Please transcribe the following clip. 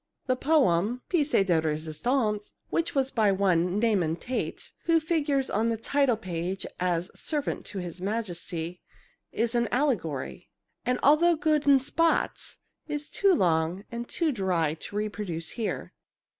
.. 2 " The poem pièce de résistance which is by one Nahum Tate, who figures on the title page as "Servant to His Majesty," is an allegory; and although good in spots is too long and too dry to reproduce here.